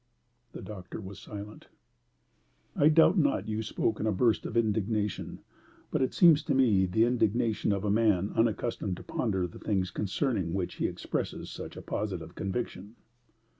The doctor was silent. "I doubt not you spoke in a burst of indignation; but it seems to me the indignation of a man unaccustomed to ponder the things concerning which he expresses such a positive conviction."